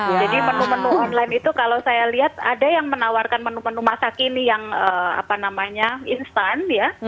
jadi menu menu online itu kalau saya lihat ada yang menawarkan menu menu masak ini yang apa namanya instan ya